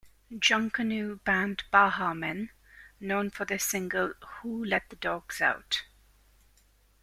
Junkanoo band Baha Men, known for their single Who Let the Dogs Out?